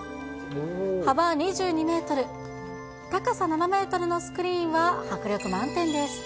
幅２２メートル、高さ７メートルのスクリーンは、迫力満点です。